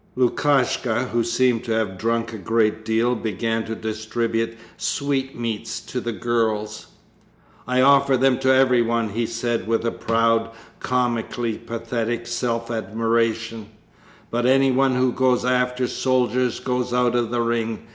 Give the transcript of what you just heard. Lukashka, who seemed to have drunk a great deal, began to distribute sweetmeats to the girls. "I offer them to everyone!" he said with proud, comically pathetic self admiration. "But anyone who goes after soldiers goes out of the ring!"